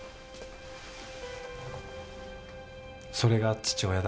それが父親だ。